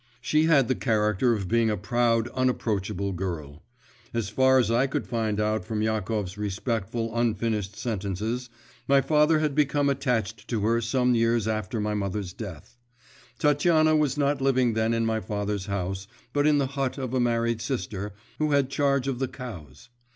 She had the character of being a proud, unapproachable girl. As far as I could find out from Yakov's respectful, unfinished sentences, my father had become attached to her some years after my mother's death. Tatiana was not living then in my father's house, but in the hut of a married sister, who had charge of the cows.